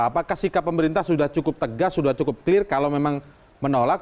apakah sikap pemerintah sudah cukup tegas sudah cukup clear kalau memang menolak